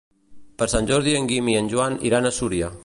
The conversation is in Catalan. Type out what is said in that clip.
Per Sant Jordi en Guim i en Joan iran a Súria.